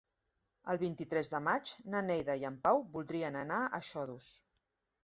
El vint-i-tres de maig na Neida i en Pau voldrien anar a Xodos.